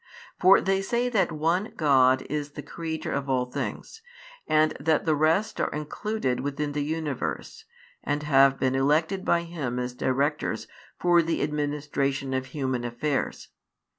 For they say that one (God) is the Creator of all things, and that the rest are included within the universe, and have been elected by Him as directors for the administration of human affairs.